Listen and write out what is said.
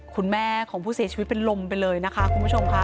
คุณแม่ของผู้เสียชีวิตเป็นลมไปเลยนะคะคุณผู้ชมค่ะ